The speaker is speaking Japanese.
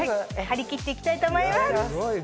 張り切って行きたいと思います。